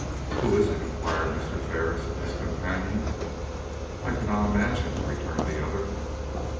"Who is it?" inquired Mr. Ferris of his companion. "I cannot imagine," returned the other.